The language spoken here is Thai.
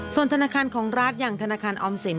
ส่วนธนาคารของรัฐอย่างธนาคารออมสิน